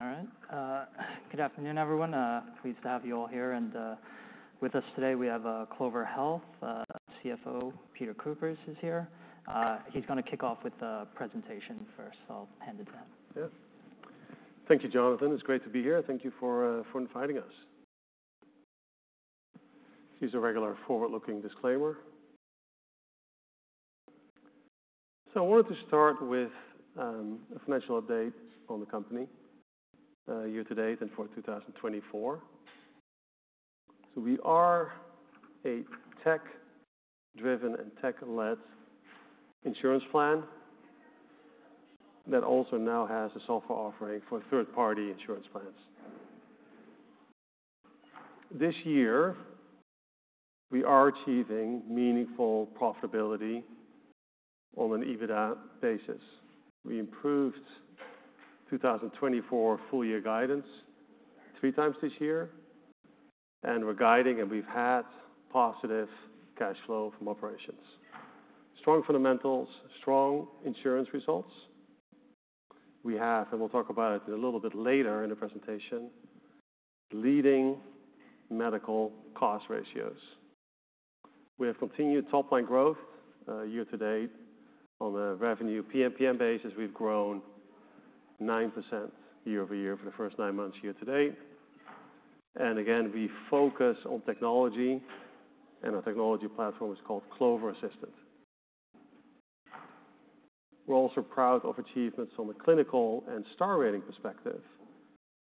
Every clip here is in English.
All right. Good afternoon, everyone. Pleased to have you all here and with us today. We have Clover Health CFO, Peter Kuipers, who's here. He's going to kick off with a presentation first, so I'll hand it to him. Yep. Thank you, Jonathan. It's great to be here. Thank you for inviting us. Here's a regular forward-looking disclaimer. So I wanted to start with a financial update on the company year-to-date and for 2024. So we are a tech-driven and tech-led insurance plan that also now has a software offering for third-party insurance plans. This year, we are achieving meaningful profitability on an EBITDA basis. We improved 2024 full-year guidance three times this year, and we're guiding, and we've had positive cash flow from operations. Strong fundamentals, strong insurance results. We have, and we'll talk about it a little bit later in the presentation, leading medical cost ratios. We have continued top-line growth year-to-date. On a revenue PMPM basis, we've grown 9% year-over-year for the first nine months year-to-date. And again, we focus on technology, and our technology platform is called Clover Assistant. We're also proud of achievements from a clinical and star rating perspective.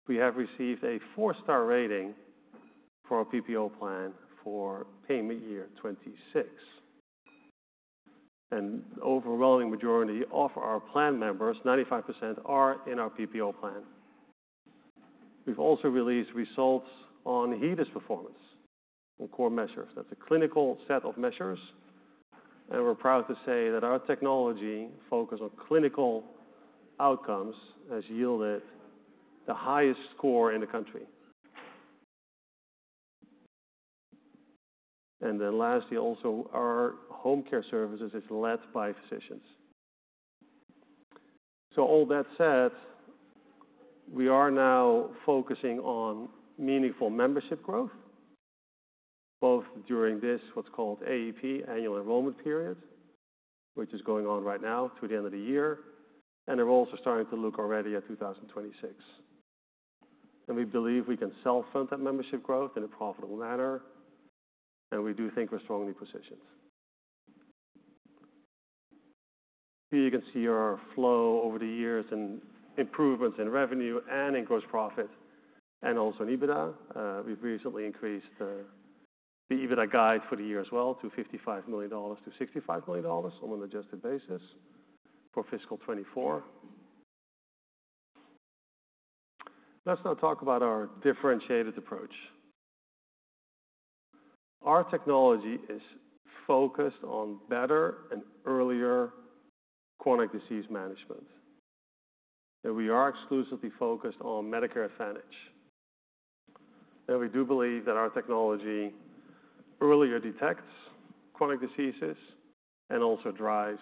We have received a four-star rating for our PPO plan for payment year 2026. And the overwhelming majority of our plan members, 95%, are in our PPO plan. We've also released results on HEDIS performance on core measures. That's a clinical set of measures, and we're proud to say that our technology focuses on clinical outcomes as yielded the highest score in the country. And then lastly, also, our home care services are led by physicians. So all that said, we are now focusing on meaningful membership growth, both during this, what's called AEP, annual enrollment period, which is going on right now to the end of the year, and we're also starting to look already at 2026. And we believe we can self-fund that membership growth in a profitable manner, and we do think we're strongly positioned. Here you can see our flow over the years and improvements in revenue and in gross profit and also in EBITDA. We've recently increased the EBITDA guide for the year as well to $55 million-$65 million on an adjusted basis for fiscal 2024. Let's now talk about our differentiated approach. Our technology is focused on better and earlier chronic disease management. We are exclusively focused on Medicare Advantage, and we do believe that our technology earlier detects chronic diseases and also drives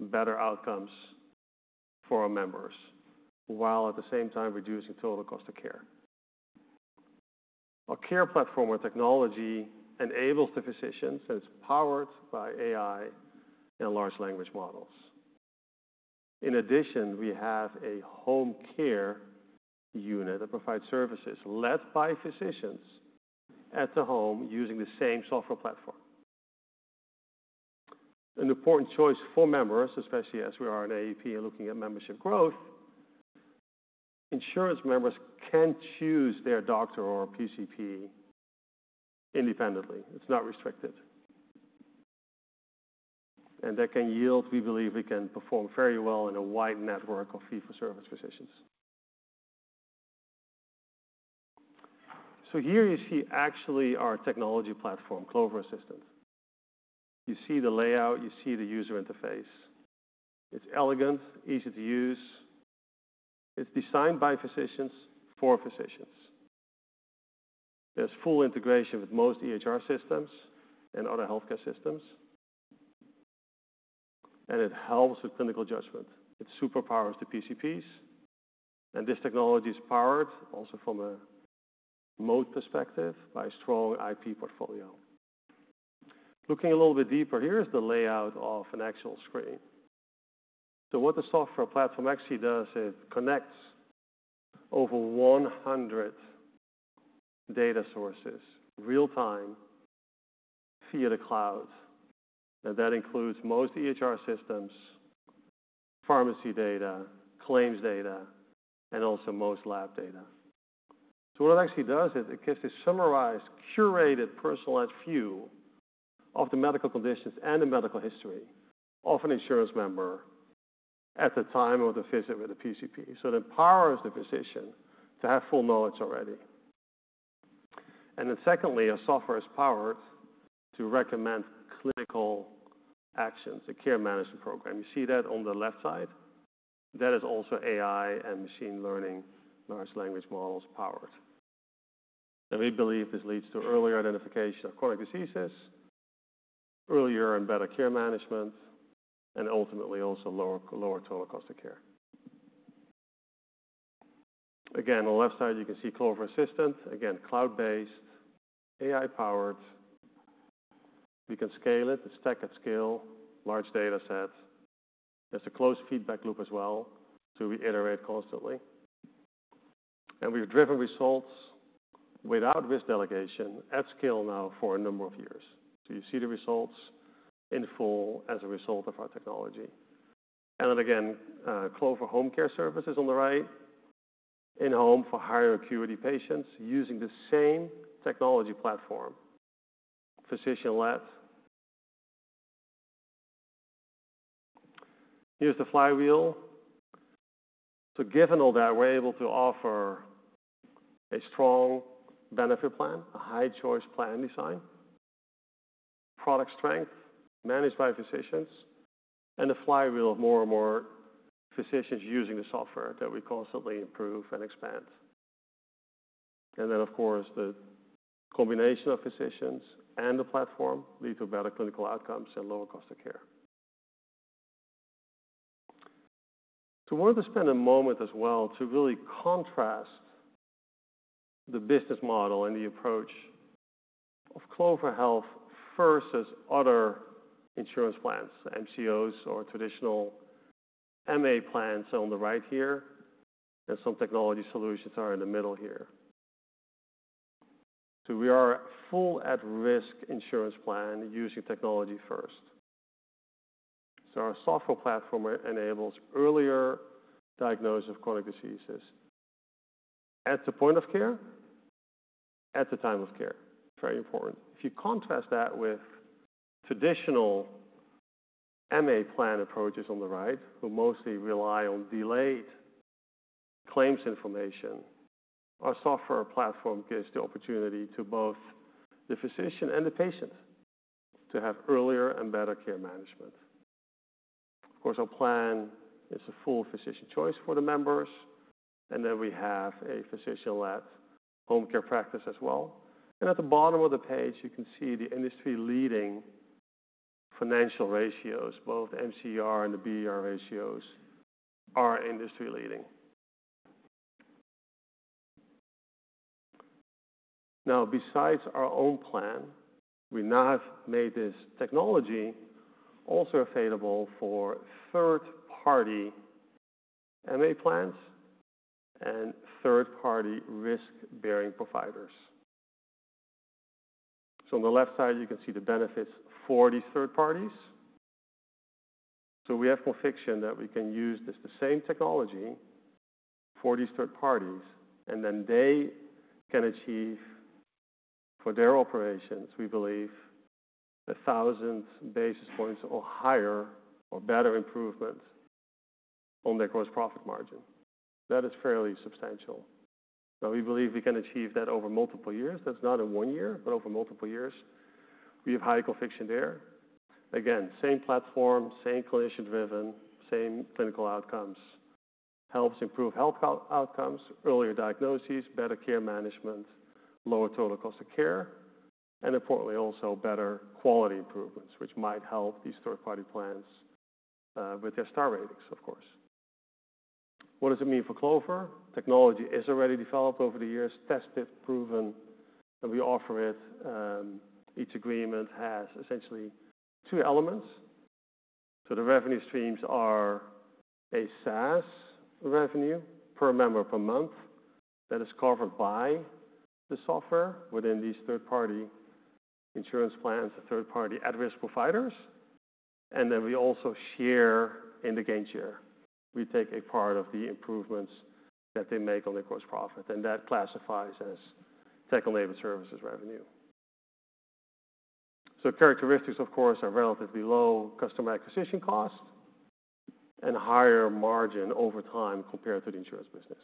better outcomes for our members, while at the same time reducing total cost of care. Our care platform or technology enables the physicians, and it's powered by AI and large language models. In addition, we have a home care unit that provides services led by physicians at the home using the same software platform. An important choice for members, especially as we are in AEP and looking at membership growth. Insurance members can choose their doctor or PCP independently. It's not restricted, and that can yield, we believe we can perform very well in a wide network of fee-for-service physicians. Here you see actually our technology platform, Clover Assistant. You see the layout. You see the user interface. It's elegant, easy to use. It's designed by physicians for physicians. There's full integration with most EHR systems and other healthcare systems, and it helps with clinical judgment. It superpowers the PCPs, and this technology is powered also from a moat perspective by a strong IP portfolio. Looking a little bit deeper, here is the layout of an actual screen. What the software platform actually does is it connects over 100 data sources real-time via the cloud. And that includes most EHR systems, pharmacy data, claims data, and also most lab data. So what it actually does is it gives a summarized, curated, personalized view of the medical conditions and the medical history of an insurance member at the time of the visit with the PCP. So it empowers the physician to have full knowledge already. And then secondly, our software is powered to recommend clinical actions, a care management program. You see that on the left side. That is also AI and machine learning, large language models powered. And we believe this leads to earlier identification of chronic diseases, earlier and better care management, and ultimately also lower total cost of care. Again, on the left side, you can see Clover Assistant. Again, cloud-based, AI-powered. We can scale it. It's tech at scale, large data set. There's a closed feedback loop as well to reiterate constantly. And we've driven results without risk delegation at scale now for a number of years. So you see the results in full as a result of our technology. And then again, Clover Home Care on the right, in-home for higher acuity patients using the same technology platform, physician-led. Here's the flywheel. So given all that, we're able to offer a strong benefit plan, a high-choice plan design, product strength managed by physicians, and a flywheel of more and more physicians using the software that we constantly improve and expand. And then, of course, the combination of physicians and the platform leads to better clinical outcomes and lower cost of care. I wanted to spend a moment as well to really contrast the business model and the approach of Clover Health versus other insurance plans, MCOs or traditional MA plans on the right here, and some technology solutions are in the middle here. We are a full-at-risk insurance plan using technology first. Our software platform enables earlier diagnosis of chronic diseases at the point of care, at the time of care. Very important. If you contrast that with traditional MA plan approaches on the right, who mostly rely on delayed claims information, our software platform gives the opportunity to both the physician and the patient to have earlier and better care management. Of course, our plan is a full physician choice for the members, and then we have a physician-led home care practice as well. And at the bottom of the page, you can see the industry-leading financial ratios, both MCR and the BER ratios, are industry-leading. Now, besides our own plan, we now have made this technology also available for third-party MA plans and third-party risk-bearing providers. So on the left side, you can see the benefits for these third parties. So we have conviction that we can use the same technology for these third parties, and then they can achieve, for their operations, we believe, 1,000 basis points or higher or better improvements on their gross profit margin. That is fairly substantial. Now, we believe we can achieve that over multiple years. That's not in one year, but over multiple years. We have high conviction there. Again, same platform, same clinician-driven, same clinical outcomes. Helps improve health outcomes, earlier diagnoses, better care management, lower total cost of care, and importantly, also better quality improvements, which might help these third-party plans with their star ratings, of course. What does it mean for Clover? Technology is already developed over the years, tested, proven, and we offer it. Each agreement has essentially two elements. So the revenue streams are a SaaS revenue per member per month that is covered by the software within these third-party insurance plans and third-party at-risk providers. And then we also share in the gain share. We take a part of the improvements that they make on their gross profit, and that classifies as tech-enabled services revenue. So characteristics, of course, are relatively low customer acquisition cost and higher margin over time compared to the insurance business.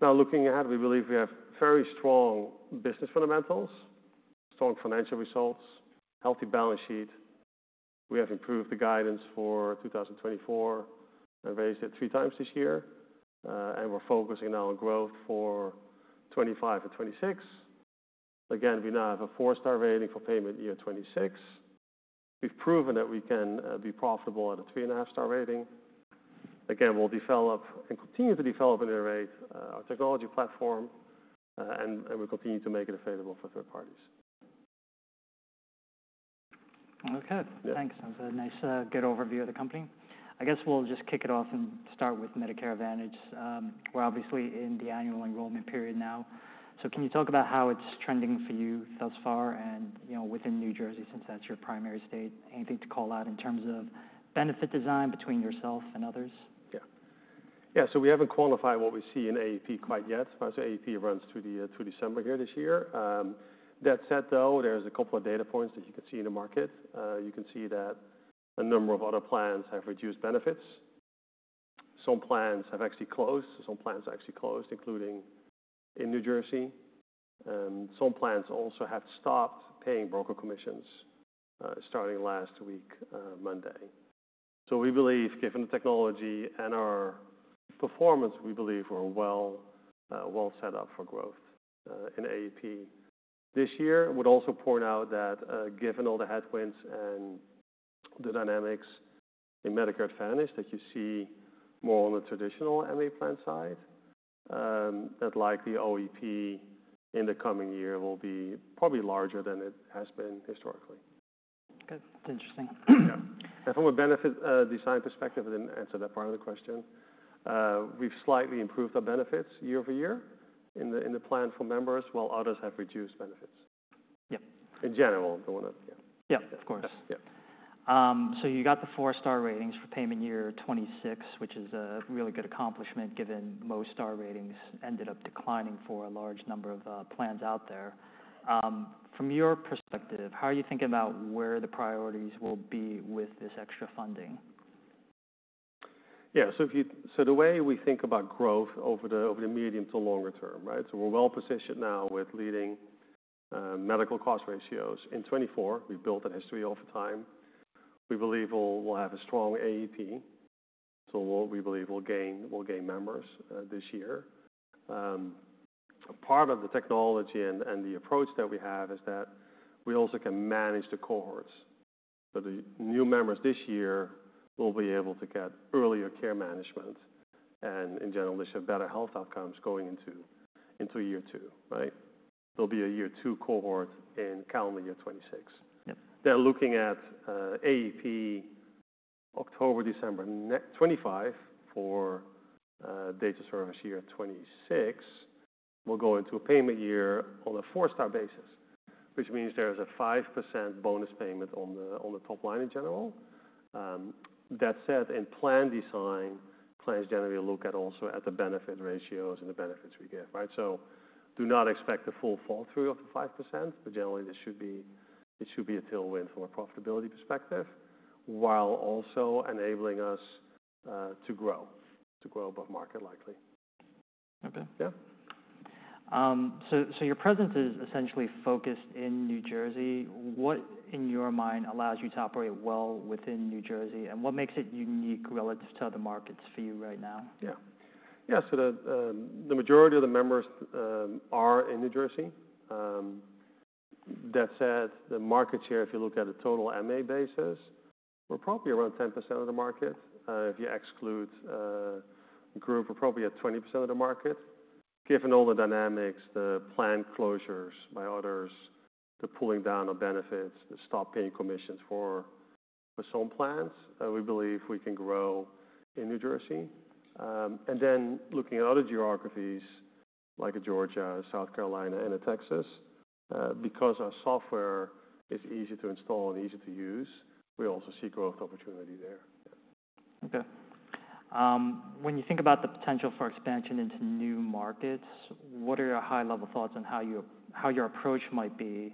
Now, looking ahead, we believe we have very strong business fundamentals, strong financial results, healthy balance sheet. We have improved the guidance for 2024 and raised it three times this year. We're focusing now on growth for 2025 and 2026. Again, we now have a four-star rating for payment year 2026. We've proven that we can be profitable at a three-and-a-half-star rating. Again, we'll develop and continue to develop and iterate our technology platform, and we'll continue to make it available for third parties. Okay. Thanks. That was a nice, good overview of the company. I guess we'll just kick it off and start with Medicare Advantage. We're obviously in the Annual Enrollment Period now. So can you talk about how it's trending for you thus far and within New Jersey since that's your primary state? Anything to call out in terms of benefit design between yourself and others? Yeah. Yeah. So we haven't quantified what we see in AEP quite yet. So AEP runs through December here this year. That said, though, there's a couple of data points that you can see in the market. You can see that a number of other plans have reduced benefits. Some plans have actually closed. Some plans have actually closed, including in New Jersey. Some plans also have stopped paying broker commissions starting last week, Monday. So we believe, given the technology and our performance, we believe we're well set up for growth in AEP this year. I would also point out that given all the headwinds and the dynamics in Medicare Advantage that you see more on the traditional MA plan side, that likely OEP in the coming year will be probably larger than it has been historically. That's interesting. Yeah, and from a benefit design perspective, I didn't answer that part of the question. We've slightly improved our benefits year over year in the plan for members, while others have reduced benefits. Yep. In general, the one that, yeah. Yep. Of course. Yep. So you got the four-star Star Ratings for payment year 2026, which is a really good accomplishment given most Star Ratings ended up declining for a large number of plans out there. From your perspective, how are you thinking about where the priorities will be with this extra funding? Yeah. So the way we think about growth over the medium to longer term, right? So we're well positioned now with leading medical cost ratios. In 2024, we've built a history over time. We believe we'll have a strong AEP. So we believe we'll gain members this year. Part of the technology and the approach that we have is that we also can manage the cohorts. So the new members this year will be able to get earlier care management. And in general, they should have better health outcomes going into year two, right? There'll be a year two cohort in calendar year 2026. They're looking at AEP October, December 2025 for date of service year 2026. We'll go into a payment year on a four-star basis, which means there is a 5% bonus payment on the top line in general. That said, in plan design, plans generally look at also the benefit ratios and the benefits we give, right? So do not expect the full follow-through of the 5%, but generally, it should be a tailwind from a profitability perspective, while also enabling us to grow above market likely. Okay. Yeah. So your presence is essentially focused in New Jersey. What, in your mind, allows you to operate well within New Jersey? And what makes it unique relative to other markets for you right now? Yeah. Yeah. So the majority of the members are in New Jersey. That said, the market share, if you look at a total MA basis, we're probably around 10% of the market. If you exclude a group, we're probably at 20% of the market. Given all the dynamics, the plan closures by others, the pulling down of benefits, the stop-paying commissions for some plans, we believe we can grow in New Jersey. And then looking at other geographies like Georgia, South Carolina, and Texas, because our software is easy to install and easy to use, we also see growth opportunity there. Okay. When you think about the potential for expansion into new markets, what are your high-level thoughts on how your approach might be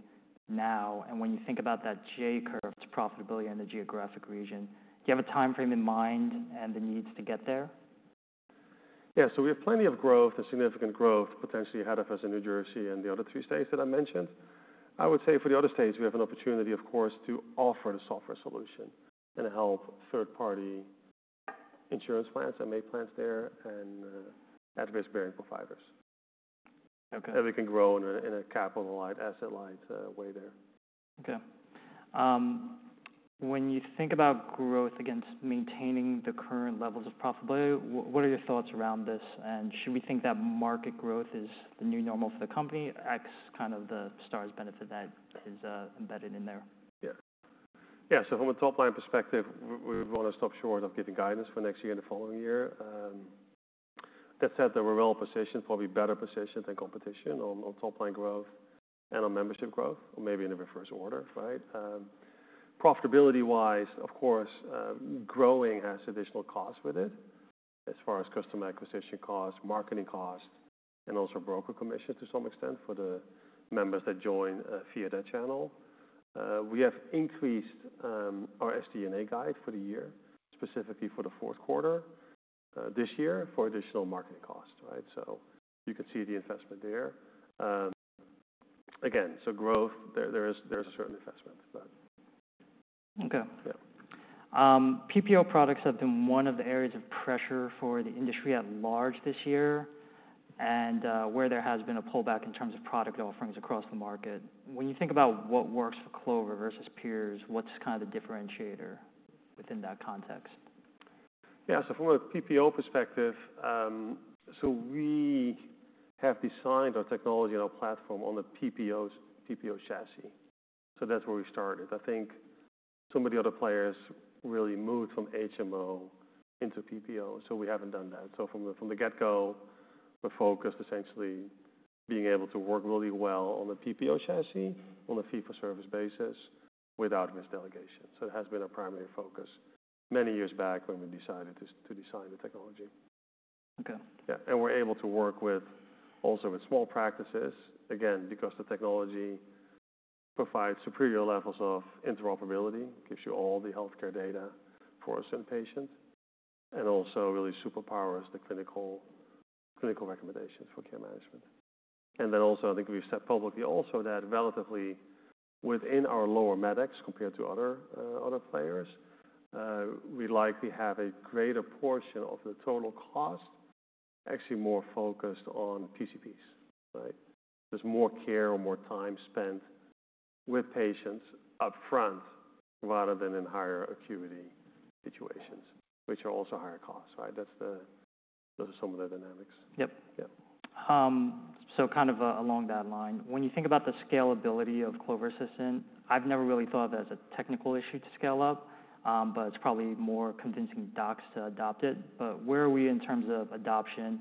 now? And when you think about that J-curve to profitability in the geographic region, do you have a timeframe in mind and the needs to get there? Yeah. So we have plenty of growth and significant growth potentially ahead of us in New Jersey and the other three states that I mentioned. I would say for the other states, we have an opportunity, of course, to offer the software solution and help third-party insurance plans, MA plans there, and at-risk-bearing providers. And we can grow in a capital-light, asset-light way there. Okay. When you think about growth against maintaining the current levels of profitability, what are your thoughts around this? And should we think that market growth is the new normal for the company ex kind of the Stars benefit that is embedded in there? Yeah. Yeah. So from a top-line perspective, we want to stop short of giving guidance for next year and the following year. That said, we're well positioned, probably better positioned than competition on top-line growth and on membership growth, or maybe in the reverse order, right? Profitability-wise, of course, growing has additional costs with it as far as customer acquisition costs, marketing costs, and also broker commissions to some extent for the members that join via that channel. We have increased our SG&A guide for the year, specifically for the fourth quarter this year for additional marketing costs, right? So you can see the investment there. Again, so growth, there's a certain investment, but. Okay. Yeah. PPO products have been one of the areas of pressure for the industry at large this year, and where there has been a pullback in terms of product offerings across the market. When you think about what works for Clover versus peers, what's kind of the differentiator within that context? Yeah. So from a PPO perspective, so we have designed our technology and our platform on the PPO chassis. So that's where we started. I think some of the other players really moved from HMO into PPO. So we haven't done that. So from the get-go, the focus essentially being able to work really well on the PPO chassis on a fee-for-service basis without risk delegation. So it has been our primary focus many years back when we decided to design the technology. Okay. Yeah. And we're able to work also with small practices, again, because the technology provides superior levels of interoperability, gives you all the healthcare data for a certain patient, and also really superpowers the clinical recommendations for care management. And then also, I think we've said publicly also that relatively within our lower MLR compared to other players, we likely have a greater portion of the total cost actually more focused on PCPs, right? There's more care or more time spent with patients upfront rather than in higher acuity situations, which are also higher costs, right? Those are some of the dynamics. Yep. Yeah. So kind of along that line, when you think about the scalability of Clover Assistant, I've never really thought of it as a technical issue to scale up, but it's probably more convincing docs to adopt it. But where are we in terms of adoption?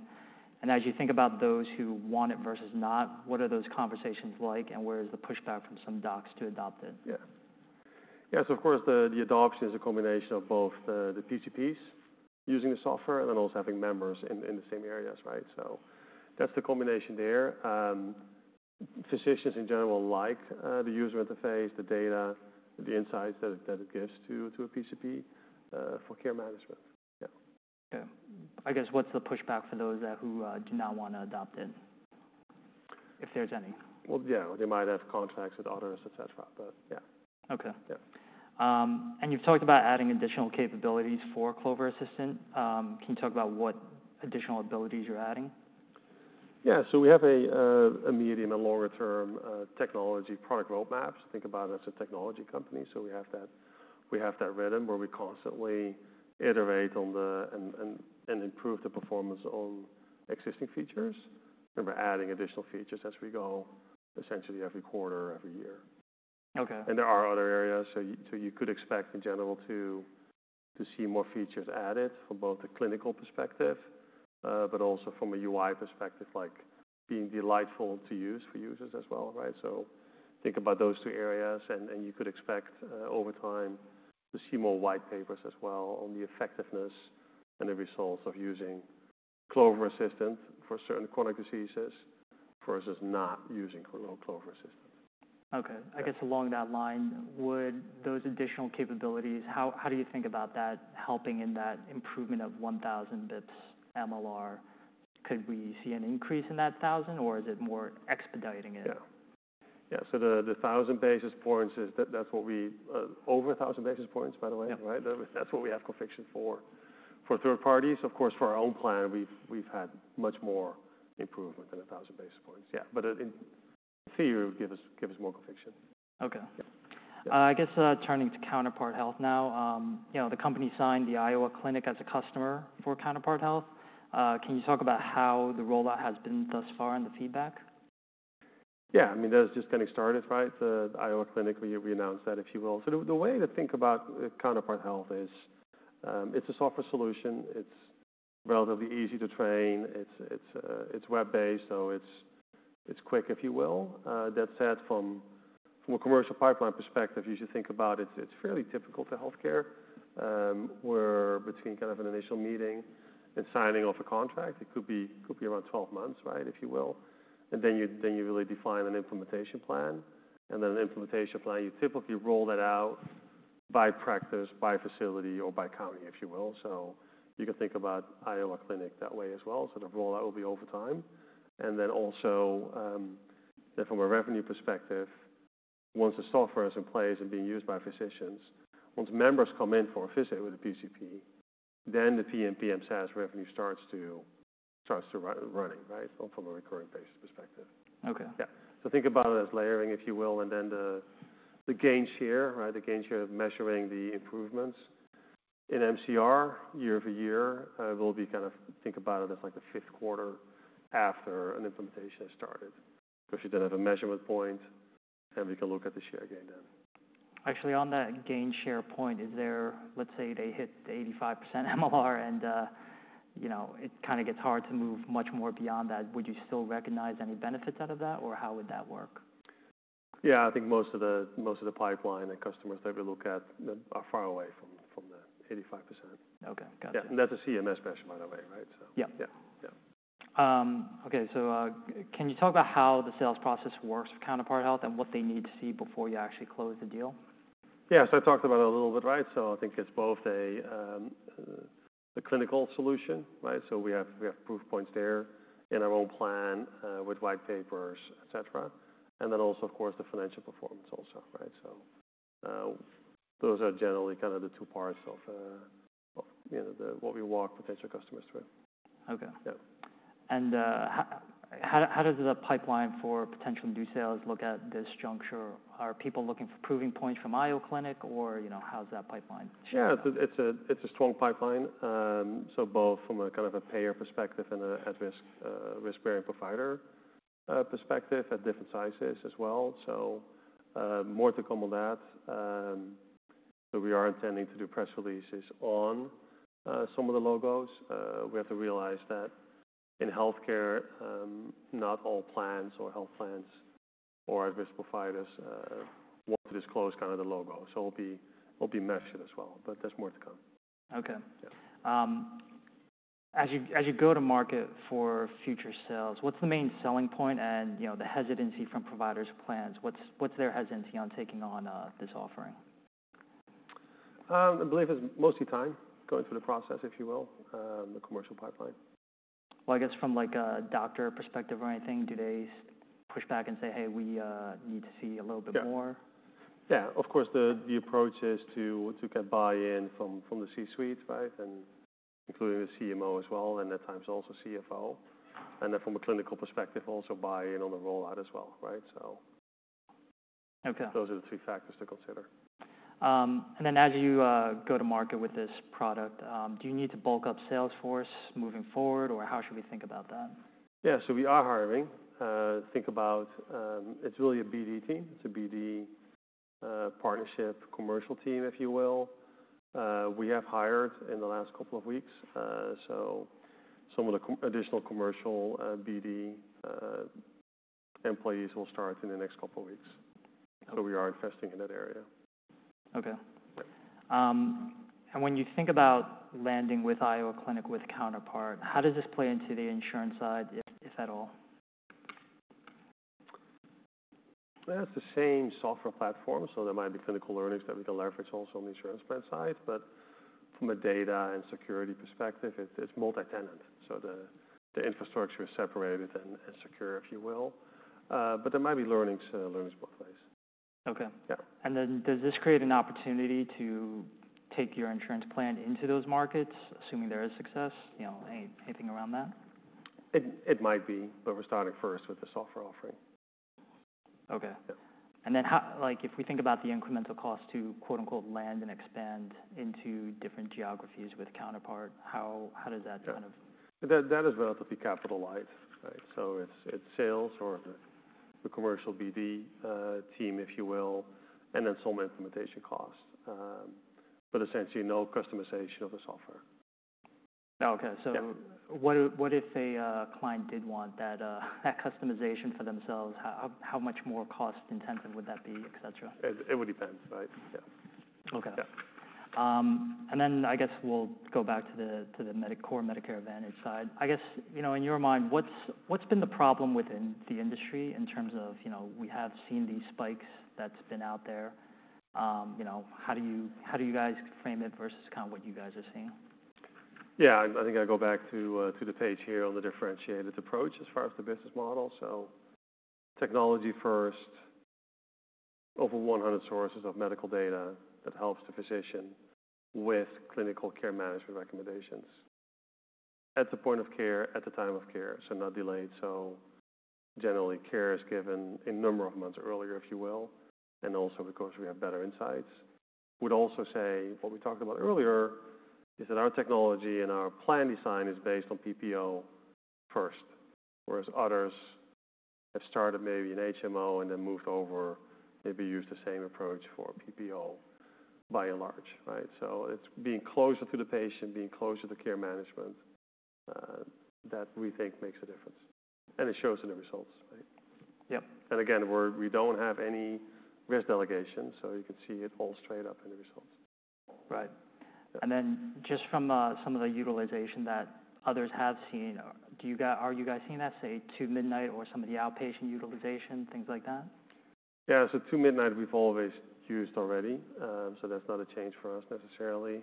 And as you think about those who want it versus not, what are those conversations like, and where is the pushback from some docs to adopt it? Yeah. Yeah. So of course, the adoption is a combination of both the PCPs using the software and then also having members in the same areas, right? So that's the combination there. Physicians in general like the user interface, the data, the insights that it gives to a PCP for care management. Yeah. Okay. I guess what's the pushback for those who do not want to adopt it, if there's any? Yeah. They might have contracts with others, etc., but yeah. Okay. Yeah. And you've talked about adding additional capabilities for Clover Assistant. Can you talk about what additional abilities you're adding? Yeah. So we have a medium and longer-term technology product roadmap. So think about it as a technology company. So we have that rhythm where we constantly iterate on them and improve the performance on existing features. And we're adding additional features as we go, essentially every quarter, every year. Okay. And there are other areas. So you could expect in general to see more features added from both the clinical perspective, but also from a UI perspective, like being delightful to use for users as well, right? So think about those two areas, and you could expect over time to see more white papers as well on the effectiveness and the results of using Clover Assistant for certain chronic diseases versus not using Clover Assistant. Okay. I guess along that line, would those additional capabilities, how do you think about that helping in that improvement of 1,000 basis points MLR? Could we see an increase in that 1,000, or is it more expediting it? Yeah. So the 1,000 basis points, that's what we're over 1,000 basis points, by the way, right? That's what we have conviction for third parties. Of course, for our own plan, we've had much more improvement than 1,000 basis points. Yeah. But in theory, it would give us more conviction. Okay. Yeah. I guess turning to Counterpart Health now. The company signed The Iowa Clinic as a customer for Counterpart Health. Can you talk about how the rollout has been thus far and the feedback? Yeah. I mean, that was just getting started, right? The Iowa Clinic, we announced that, if you will, so the way to think about Counterpart Health is it's a software solution. It's relatively easy to train. It's web-based, so it's quick, if you will. That said, from a commercial pipeline perspective, you should think about it's fairly typical for healthcare. We're between kind of an initial meeting and signing off a contract. It could be around 12 months, right, if you will, and then you really define an implementation plan, and then an implementation plan, you typically roll that out by practice, by facility, or by county, if you will, so you can think about Iowa Clinic that way as well, so the rollout will be over time. Then also, from a revenue perspective, once the software is in place and being used by physicians, once members come in for a visit with a PCP, then the PMPM SaaS revenue starts running, right, from a recurring basis perspective. Okay. Yeah. So think about it as layering, if you will, and then the gain share, right? The gain share of measuring the improvements in MCR year over year will be kind of think about it as like the fifth quarter after an implementation has started because you then have a measurement point, and we can look at the gain share then. Actually, on that gain share point, is there, let's say, they hit 85% MLR, and it kind of gets hard to move much more beyond that. Would you still recognize any benefits out of that, or how would that work? Yeah. I think most of the pipeline and customers that we look at are far away from the 85%. Okay. Gotcha. Yeah. And that's a CMS measure, by the way, right? So. Yeah. Yeah. Yeah. Okay, so can you talk about how the sales process works for Counterpart Health and what they need to see before you actually close the deal? Yeah. So I talked about it a little bit, right? So I think it's both a clinical solution, right? So we have proof points there in our own plan with white papers, etc. And then also, of course, the financial performance also, right? So those are generally kind of the two parts of what we walk potential customers through. Okay. Yeah. How does the pipeline for potential new sales look at this juncture? Are people looking for proof points from Iowa Clinic, or how's that pipeline? Yeah. It's a strong pipeline. So both from a kind of a payer perspective and a risk-bearing provider perspective at different sizes as well. So more to come on that. So we are intending to do press releases on some of the logos. We have to realize that in healthcare, not all plans or health plans or at-risk providers want to disclose kind of the logo. So it'll be measured as well, but there's more to come. Okay. Yeah. As you go to market for future sales, what's the main selling point and the hesitancy from providers and plans? What's their hesitancy on taking on this offering? I believe it's mostly time going through the process, if you will, the commercial pipeline. I guess from a doctor perspective or anything, do they push back and say, "Hey, we need to see a little bit more"? Yeah. Yeah. Of course, the approach is to get buy-in from the C-suite, right, including the CMO as well, and at times also CFO. And then from a clinical perspective, also buy-in on the rollout as well, right? So those are the three factors to consider. As you go to market with this product, do you need to bulk up Salesforce moving forward, or how should we think about that? Yeah. So we are hiring. Think about it's really a BD team. It's a BD partnership commercial team, if you will. We have hired in the last couple of weeks. So some of the additional commercial BD employees will start in the next couple of weeks. So we are investing in that area. Okay. And when you think about landing with Iowa Clinic with Counterpart, how does this play into the insurance side, if at all? That's the same software platform. So there might be clinical learnings that we can leverage also on the insurance plan side. But from a data and security perspective, it's multi-tenant. So the infrastructure is separated and secure, if you will. But there might be learnings both ways. Okay. Yeah. And then does this create an opportunity to take your insurance plan into those markets, assuming there is success? Anything around that? It might be, but we're starting first with the software offering. Okay. Yeah. And then, if we think about the incremental cost to "land and expand" into different geographies with Counterpart, how does that kind of? Yeah. That is relatively capital-light, right? So it's sales or the commercial BD team, if you will, and then some implementation cost. But essentially, no customization of the software. Okay, so what if a client did want that customization for themselves? How much more cost-intensive would that be, etc.? It would depend, right? Yeah. Okay. Yeah. I guess we'll go back to the core Medicare Advantage side. I guess in your mind, what's been the problem within the industry in terms of we have seen these spikes that's been out there? How do you guys frame it versus kind of what you guys are seeing? Yeah. I think I go back to the page here on the differentiated approach as far as the business model. So technology first, over 100 sources of medical data that helps the physician with clinical care management recommendations at the point of care, at the time of care, so not delayed. So generally, care is given a number of months earlier, if you will, and also because we have better insights. Would also say what we talked about earlier is that our technology and our plan design is based on PPO first, whereas others have started maybe in HMO and then moved over, maybe used the same approach for PPO by and large, right? So it's being closer to the patient, being closer to care management that we think makes a difference. And it shows in the results, right? Yep. Again, we don't have any risk delegation, so you can see it all straight up in the results. Right. And then just from some of the utilization that others have seen, are you guys seeing that, say, two-midnight or some of the outpatient utilization, things like that? Yeah. So Two-Midnight, we've always used already. So that's not a change for us necessarily.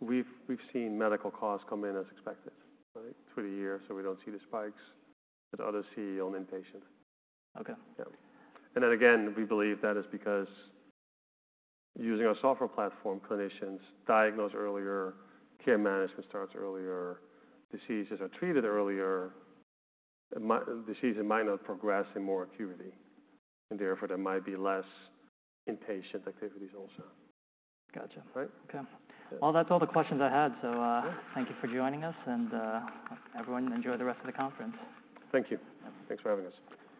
We've seen medical costs come in as expected, right, through the year. So we don't see the spikes that others see on inpatient. Okay. Yeah, and then again, we believe that is because using our software platform, clinicians diagnose earlier, care management starts earlier, diseases are treated earlier, diseases might not progress in more acuity, and therefore there might be less inpatient activities also. Gotcha. Right? Okay. Well, that's all the questions I had. So thank you for joining us, and everyone, enjoy the rest of the conference. Thank you. Thanks for having us.